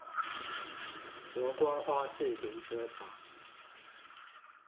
國光花市停車場